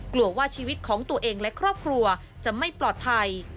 กลัวว่าชีวิตของตัวเองและครอบครัวจะไม่ปลอดภัย